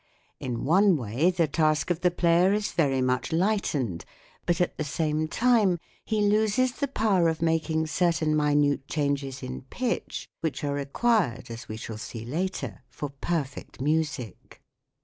In one way the task of the player is very much lightened, but at the same time he loses the power of making certain minute changes in pitch which are required, as we shall see later, for perfect music.